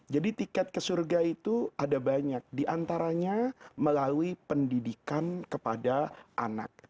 jadi tiket ke surga itu ada banyak diantaranya melalui pendidikan kepada anak